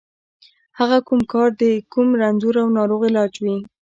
که هغه کار د کوم رنځور او ناروغ علاج وي.